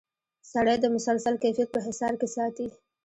سړی د مسلسل کیفیت په حصار کې ساتي.